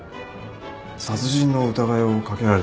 殺人の疑いをかけられてるのに。